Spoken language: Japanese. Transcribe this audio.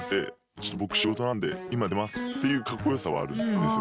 ちょっと僕仕事なんで今出ます」っていうカッコよさはあるんですよ。